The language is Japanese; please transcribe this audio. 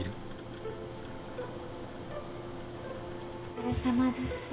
お疲れさまでした。